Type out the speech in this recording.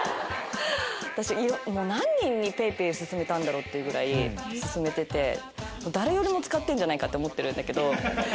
私何人にＰａｙＰａｙ勧めたんだろうっていうぐらい勧めてて誰よりも使ってるんじゃないかって思ってるんだけど。